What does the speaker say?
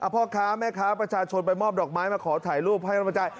พ่อค้าแม่ค้าประชาชนไปมอบดอกไม้มาขอถ่ายรูปให้กำลังใจ